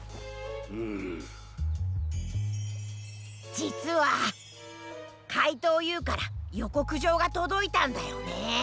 じつはかいとうＵからよこくじょうがとどいたんだよねー。